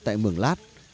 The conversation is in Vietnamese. tại mường lát